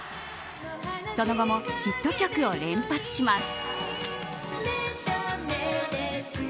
その後もヒット曲を連発します。